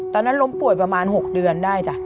ตอนนั้นล้มป่วยประมาณ๖เดือนได้จ้ะ